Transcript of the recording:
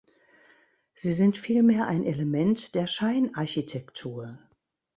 Sie sind vielmehr ein Element der Scheinarchitektur.